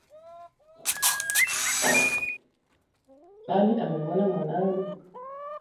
.Nani amemwona mwanangu?